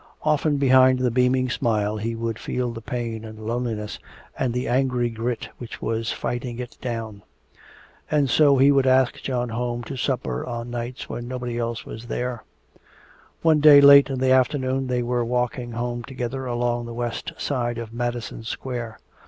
Often behind the beaming smile he would feel the pain and loneliness, and the angry grit which was fighting it down. And so he would ask John home to supper on nights when nobody else was there. One day late in the afternoon they were walking home together along the west side of Madison Square.